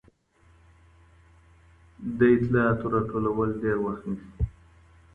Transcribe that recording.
د اطلاعاتو راټولول ډېر وخت نیسي.